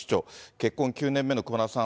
結婚９年目の熊田さん